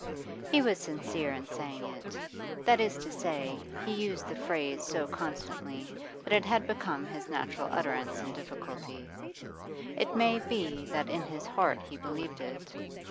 He was sincere in saying it; that is to say, he used the phrase so constantly that it had become his natural utterance in difficulty; it may be that in his heart he believed it.